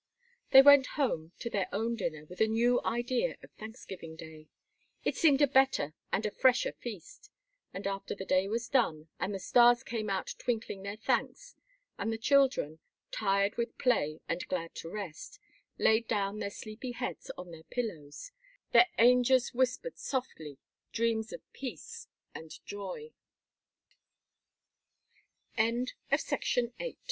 They went home to their own dinner with a new idea of Thanksgiving day; it seemed a better and a fresher feast; and after the day was done and the stars came out twinkling their thanks, and the children, tired with play and glad to rest, laid down their sleepy heads on their pillows, their angels whispered softly dreams of p